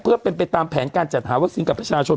เพื่อเป็นไปตามแผนการจัดหาวัคซีนกับประชาชน